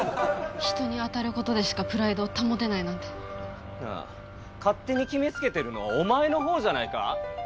人に当たることでしかプライドを保てないなんて。なあ勝手に決めつけてるのはお前のほうじゃないか？